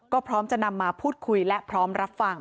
ก็พร้อมจะนำมาพูดคุยและพร้อมรับฟัง